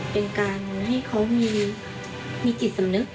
เป็นการให้เขามีจิตสำนึก